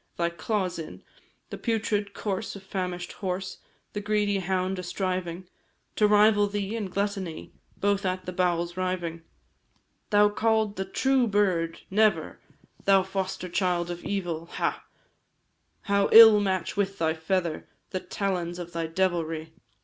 thy claws in The putrid corse of famish'd horse, The greedy hound a striving To rival thee in gluttony, Both at the bowels riving. Thou called the true bird! Never, Thou foster child of evil, ha! How ill match with thy feather The talons of thy devilry!